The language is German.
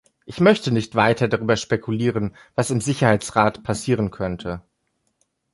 Ich möchte nicht weiter darüber spekulieren, was im Sicherheitsrat passieren könnte.